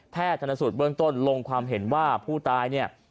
ชนสูตรเบื้องต้นลงความเห็นว่าผู้ตายเนี่ย